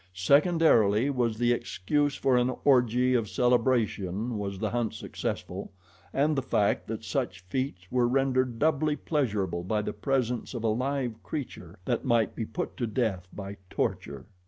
Secondarily was the excuse for an orgy of celebration was the hunt successful, and the fact that such fetes were rendered doubly pleasurable by the presence of a live creature that might be put to death by torture.